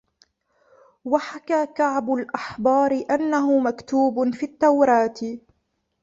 وَحَكَى كَعْبُ الْأَحْبَارِ أَنَّهُ مَكْتُوبٌ فِي التَّوْرَاةِ